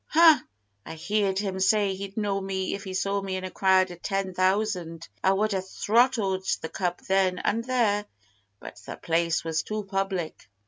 "Hah! I heerd him say he'd know me if he saw me in a crowd o' ten thousand. I would ha' throttled the cub then and there, but the place was too public."